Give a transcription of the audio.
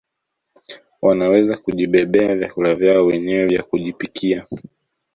Wanaweza kujibebea vyakula vyao wenyewe vya kujipikia